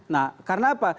nah karena apa